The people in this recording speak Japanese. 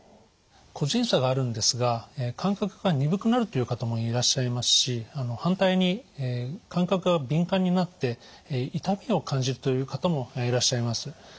個人差があるんですが感覚が鈍くなるという方もいらっしゃいますし反対に感覚が敏感になって痛みを感じるという方もいらっしゃいます。